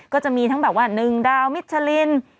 ก็จะมีทั้งแบบว่า๑ดาวมิชลิน